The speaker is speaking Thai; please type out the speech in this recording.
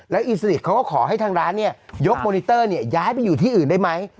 แล้วอินสลิกเขาก็ขอให้ทางร้านยกมอนิเตอร์ย้ายไปอยู่ที่อื่นได้ไหม